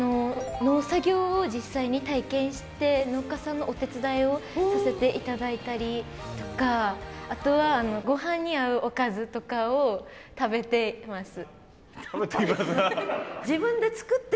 農作業を実際に体験して農家さんのお手伝いをさせて頂いたりとかあとは食べています。